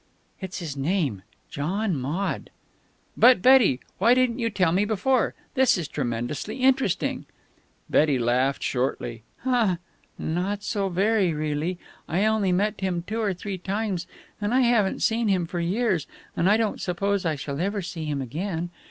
"It's his name. John Maude." "But, Betty! Why didn't you tell me before? This is tremendously interesting." Betty laughed shortly. "Not so very, really. I only met him two or three times, and I haven't seen him for years, and I don't suppose I shall ever see him again.